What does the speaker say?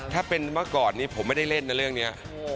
ถ้าเป็นเมื่อก่อนนี้ผมไม่ได้เล่นนะเรื่องนี้